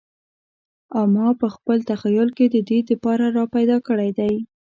او ماپه خپل تخیل کی ددې د پاره را پیدا کړی دی